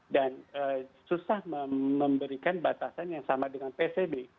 dan susah memberikan batasan yang sama dengan psbb